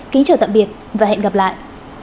kính chào tạm biệt và hẹn gặp lại